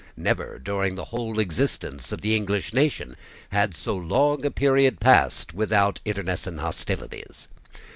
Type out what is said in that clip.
Never, during the whole existence of the English nation, had so long a period passed without intestine hostilities.